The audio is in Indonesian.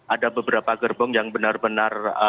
ada beberapa gerbong yang benar benar